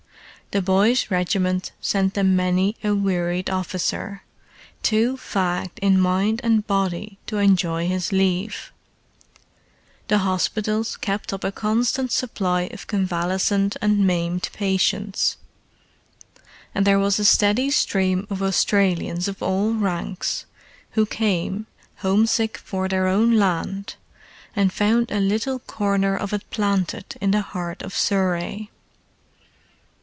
The boys' regiment sent them many a wearied officer, too fagged in mind and body to enjoy his leave: the hospitals kept up a constant supply of convalescent and maimed patients; and there was a steady stream of Australians of all ranks, who came, homesick for their own land, and found a little corner of it planted in the heart of Surrey.